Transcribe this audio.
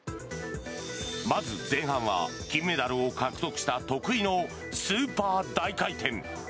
まず前半は金メダルを獲得した得意のスーパー大回転。